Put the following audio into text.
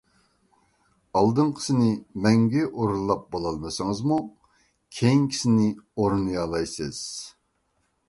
ئالدىنقىسىنى مەڭگۈ ئورۇنلاپ بولالمىسىڭىزمۇ كېيىنكىسىنى ئورۇنلىيالايسىز.